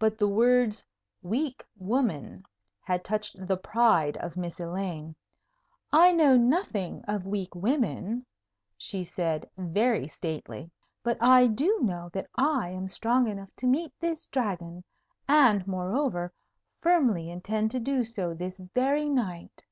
But the words "weak woman" had touched the pride of Miss Elaine. "I know nothing of weak women," she said, very stately; "but I do know that I am strong enough to meet this Dragon, and, moreover, firmly intend to do so this very night."